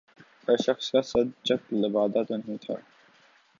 ہر شخص کا صد چاک لبادہ تو نہیں تھا